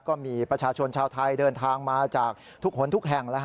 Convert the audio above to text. ก็มีประชาชนชาวไทยเดินทางมาจากทุกคนทุกแห่ง